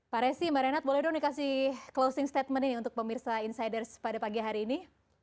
pak resi mbak renat boleh dong dikasih closing statement ini untuk pemirsa insiders pada pagi hari ini